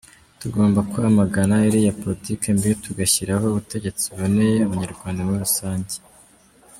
Tugomba kwamagana iriya politiki mbi tugashyiraho ubutegetsi buboneye Abanyarwanda muri rusange.